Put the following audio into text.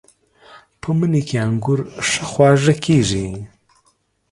په مني کې انګور ښه خواږه کېږي.